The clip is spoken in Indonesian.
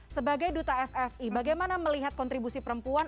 sebagai duta ffi bagaimana melihat kontribusi perempuan